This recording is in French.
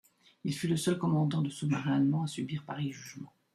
Il fut le seul commandant de sous-marin allemand à subir pareil jugement.